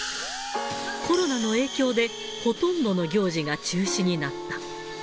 コロナの影響で、ほとんどの行事が中止になった。